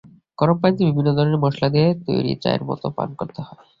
গরম পানিতে বিভিন্ন ধরনের মসলা দিয়ে তৈরি, চায়ের মতো পান করতে হয়।